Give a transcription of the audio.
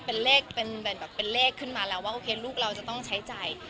เป็นเลขเป็นแบบเป็นเลขขึ้นมาแล้วว่าโอเคลูกเราจะต้องใช้จ่าย